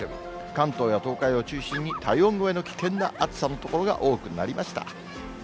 関東や東海を中心に、体温超えの危険な暑さの所が多くなりました。